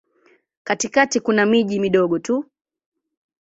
Katikati kuna miji midogo tu.